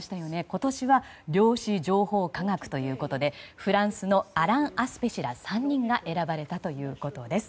今年は量子情報科学ということでフランスのアラン・アスペ氏ら３人が選ばれたということです。